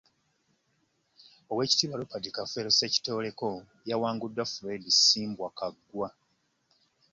Oweekitiibwa Robert Kafeero Ssekitoleko yawaguddwa Fred Ssimbwa Kaggwa